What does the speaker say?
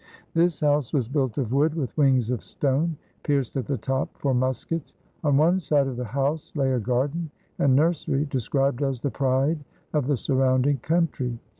This house was built of wood with wings of stone, pierced at the top for muskets. On one side of the house lay a garden and nursery described as the pride of the surrounding country.